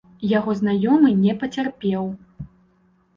Яго знаёмы не пацярпеў.